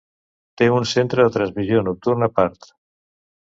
Té un centre de transmissió nocturn a part.